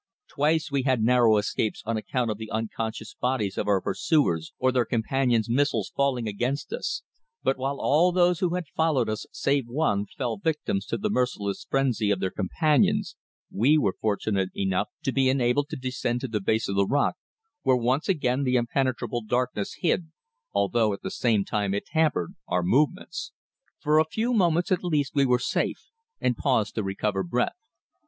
Twice we had narrow escapes on account of the unconscious bodies of our pursuers or their companions' missiles falling against us, but while all those who had followed us, save one, fell victims to the merciless frenzy of their companions, we were fortunate enough to be enabled to descend to the base of the rock, where once again the impenetrable darkness hid, although at the same time it hampered, our movements. For a few moments at least we were safe, and paused to recover breath.